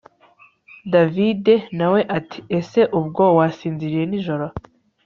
davide nawe ati ese ubwo wasinziye nijoro